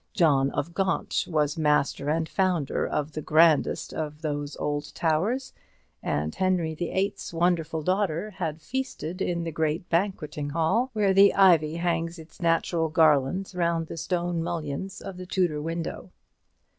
John of Gaunt was master and founder of the grandest of those old towers, and Henry the Eighth's wonderful daughter has feasted in the great banqueting hall, where the ivy hangs its natural garlands round the stone mullions of the Tudor window.